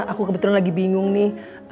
aku kebetulan lagi bingung nih